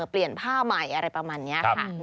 เปลี่ยนผ้าใหม่อะไรประมาณนี้ค่ะ